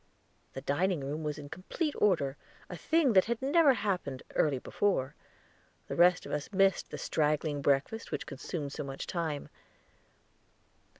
The dining room was in complete order, a thing that had never happened early before; the rest of us missed the straggling breakfast which consumed so much time.